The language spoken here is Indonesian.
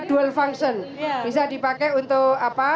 dual function bisa dipakai untuk